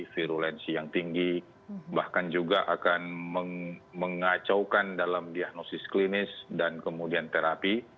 virulensi yang tinggi bahkan juga akan mengacaukan dalam diagnosis klinis dan kemudian terapi